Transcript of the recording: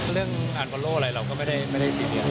เรื่องอ่านบอลโล่อะไรเราก็ไม่ได้ซีเรียส